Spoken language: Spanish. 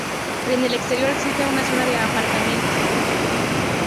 En el exterior existe una zona de aparcamiento.